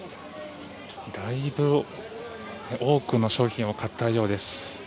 だいぶ多くの商品を買ったようです。